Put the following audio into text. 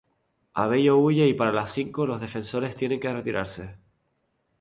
Abello huye y para las cinco los defensores tienen que retirarse.